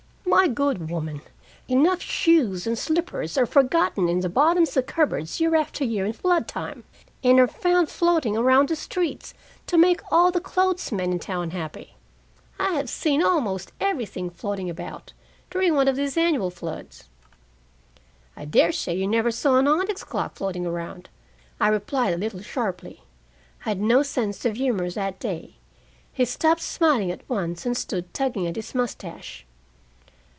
"My good woman, enough shoes and slippers are forgotten in the bottoms of cupboards year after year in flood time, and are found floating around the streets, to make all the old clothesmen in town happy. I have seen almost everything floating about, during one of these annual floods." "I dare say you never saw an onyx clock floating around," I replied a little sharply. I had no sense of humor that day. He stopped smiling at once, and stood tugging at his mustache.